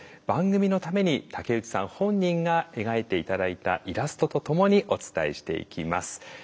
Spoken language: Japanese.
番組のために竹内さん本人が描いて頂いたイラストとともにお伝えしていきます。